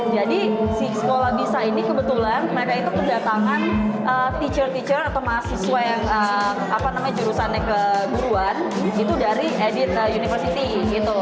jadi si sekolah bisa ini kebetulan mereka itu kedatangan teacher teacher atau mahasiswa yang apa namanya jurusannya keguruan itu dari edith university gitu